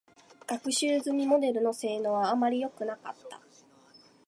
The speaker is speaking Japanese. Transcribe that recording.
学習済みモデルの性能は、あまりよくなかった。